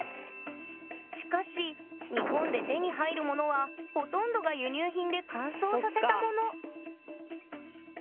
しかし日本で手に入るものはほとんどが輸入品で乾燥させたもの